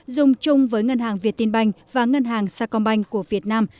dùng chung với ngân hàng việt tiên banh và ngân hàng sa công banh của việt nam